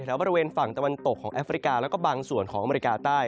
บริเวณฝั่งตะวันตกของแอฟริกาแล้วก็บางส่วนของอเมริกาใต้